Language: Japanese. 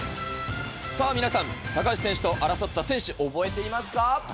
さあ皆さん、高橋選手と争った選手、覚えていますか？